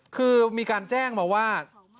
คือมีการแจ้งมาว่า